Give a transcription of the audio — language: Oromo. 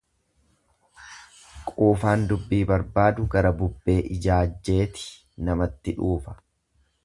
Quufaan dubbii barbaadu gara bubbee ijaajjeet namatti dhuufa.